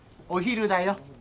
お昼だよ。